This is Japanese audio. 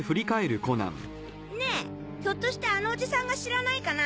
ねえひょっとしてあのおじさんが知らないかな？